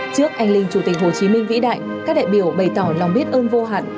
trước anh linh chủ tịch hồ chí minh vĩ đại các đại biểu bày tỏ lòng biết ơn vô hạn